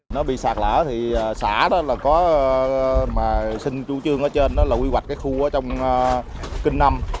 nó bị sạc lỡ thì xã đó là có mà xin chú chương ở trên đó là quy hoạch cái khu ở trong kinh năm